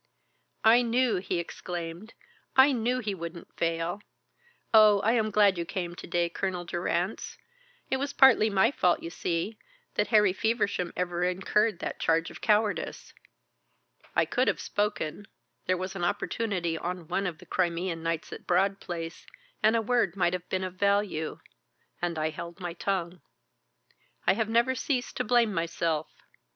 "I knew," he exclaimed, "I knew he wouldn't fail. Oh, I am glad you came to day, Colonel Durrance. It was partly my fault, you see, that Harry Feversham ever incurred that charge of cowardice. I could have spoken there was an opportunity on one of the Crimean nights at Broad Place, and a word might have been of value and I held my tongue. I have never ceased to blame myself.